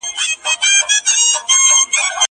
زه به سبا د ښوونځی لپاره تياری وکړم!؟